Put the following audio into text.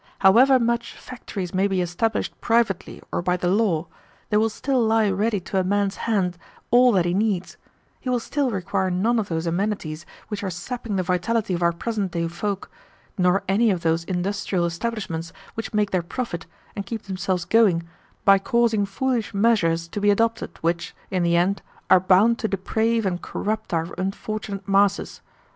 However much factories may be established privately or by the law, there will still lie ready to man's hand all that he needs he will still require none of those amenities which are sapping the vitality of our present day folk, nor any of those industrial establishments which make their profit, and keep themselves going, by causing foolish measures to be adopted which, in the end, are bound to deprave and corrupt our unfortunate masses.